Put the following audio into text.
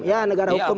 ya proses hukum